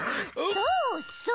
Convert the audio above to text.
そうそう。